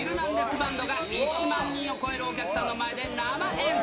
バンドが１万人を超えるお客さんの前で生演奏。